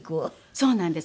そうなんです